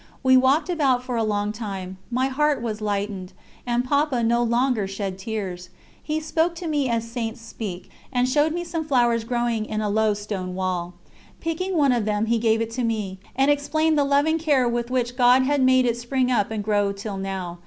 We walked about for a long time; my heart was lightened, and Papa no longer shed tears. He spoke to me as Saints speak, and showed me some flowers growing in the low stone wall. Picking one of them, he gave it to me, and explained the loving care with which God had made it spring up and grow till now.